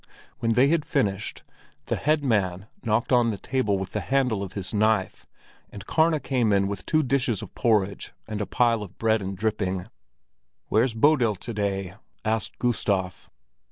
When they had finished, the head man knocked on the table with the handle of his knife, and Karna came in with two dishes of porridge and a pile of bread and dripping. "Where's Bodil to day?" asked Gustav.